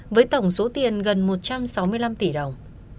với tổng số tiền gần một trăm sáu mươi năm tỷ đồng